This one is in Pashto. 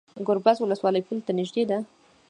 ګربز ولسوالۍ پولې ته نږدې ده؟